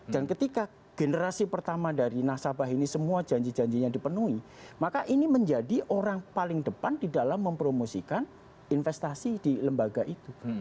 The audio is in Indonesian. dan ketika generasi pertama dari nasabah ini semua janji janjinya dipenuhi maka ini menjadi orang paling depan di dalam mempromosikan investasi di lembaga itu